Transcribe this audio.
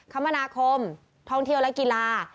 คมนาคมท่องเที่ยวและกีฬา